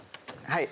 はい。